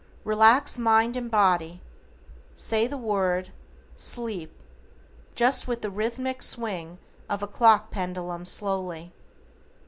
Relax mind and body, say the word, SLEEP just with the rhythmic swing of a clock pendulum slowly.